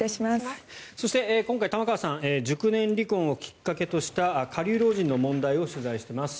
そして今回、玉川さん熟年離婚をきっかけとした下流老人の問題を取材しています。